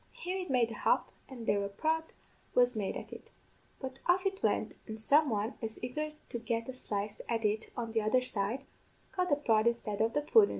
Here it made a hop, and there a prod was made at it; but off it went, an' some one, as eager to get a slice at it on the other side, got the prod instead of the pudden.